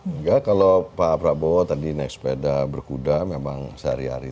enggak kalau pak prabowo tadi naik sepeda berkuda memang sehari hari